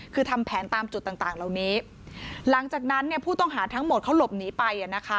คือทำแผนตามจุดต่างต่างเหล่านี้หลังจากนั้นเนี่ยผู้ต้องหาทั้งหมดเขาหลบหนีไปอ่ะนะคะ